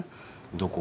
どこ？